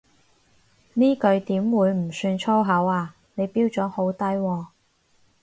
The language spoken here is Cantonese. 呢句點會唔算粗口啊，你標準好低喎